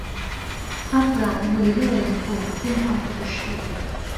阿弗莱维勒人口变化图示